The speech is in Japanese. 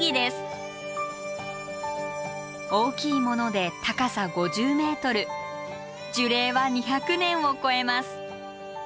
大きいもので高さ５０ｍ樹齢は２００年を超えます。